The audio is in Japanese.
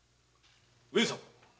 上様。